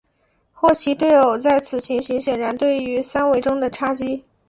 霍奇对偶在此情形显然对应于三维中的叉积。